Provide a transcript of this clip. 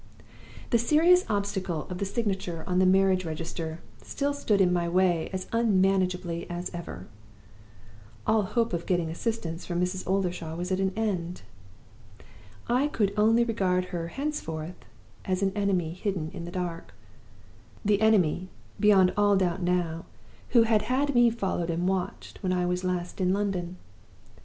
"The serious obstacle of the signature on the marriage register still stood in my way as unmanageably as ever. All hope of getting assistance from Mrs. Oldershaw was at an end. I could only regard her henceforth as an enemy hidden in the dark the enemy, beyond all doubt now, who had had me followed and watched when I was last in London.